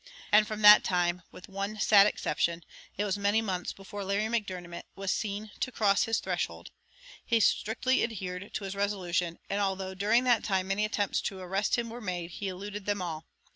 And from that time, with one sad exception, it was many months before Larry Macdermot was seen to cross his threshold; he strictly adhered to his resolution; and although during that time many attempts to arrest him were made, he eluded them all.